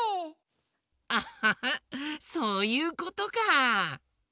アハハそういうことか。